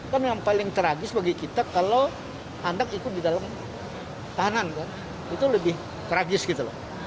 kan yang paling tragis bagi kita kalau anak ikut di dalam tahanan kan itu lebih tragis gitu loh